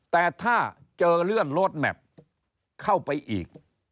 เข้าไปอีก